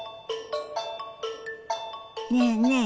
ねえねえ